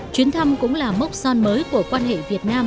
chuyến thăm cũng là mốc son mới của quan hệ việt nam